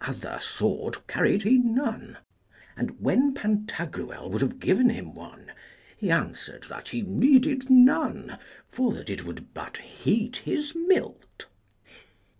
Other sword carried he none; and, when Pantagruel would have given him one, he answered that he needed none, for that it would but heat his milt.